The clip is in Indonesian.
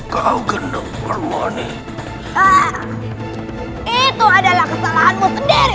kau gendut hormonia itu adalah kesalahanmu sendiri